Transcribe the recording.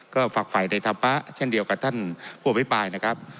ก็ฝากฝ่ายในธรรมปะเช่นเดียวกับท่านผู้อภิปรายนะครับ